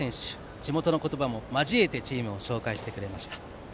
地元の言葉も交えてチームを紹介してくれました。